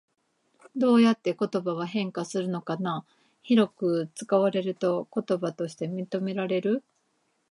どうやって言葉は変化するのかな？広く使われると言葉として認められる？